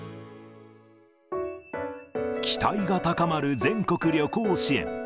期待が高まる全国旅行支援。